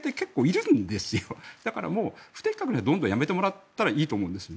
だから、不適格な人はどんどん辞めてもらったらいいと思うんですよ。